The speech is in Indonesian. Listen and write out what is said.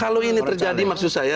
kalau ini terjadi maksud saya